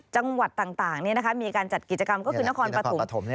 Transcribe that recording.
จังหวัดต่างมีการจัดกิจกรรมก็คือนครปฐม